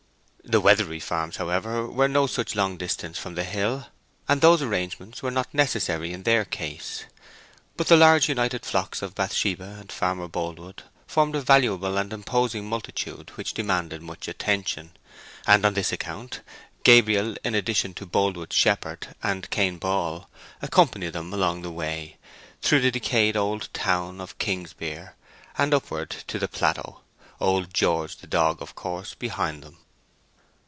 The Weatherbury Farms, however, were no such long distance from the hill, and those arrangements were not necessary in their case. But the large united flocks of Bathsheba and Farmer Boldwood formed a valuable and imposing multitude which demanded much attention, and on this account Gabriel, in addition to Boldwood's shepherd and Cain Ball, accompanied them along the way, through the decayed old town of Kingsbere, and upward to the plateau,—old George the dog of course behind them.